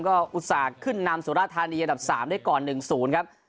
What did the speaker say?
ก็อุตส่าห์ขึ้นนำสุราธารณีอันดับสามได้ก่อนหนึ่งศูนย์ครับ